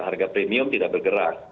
harga premium tidak bergerak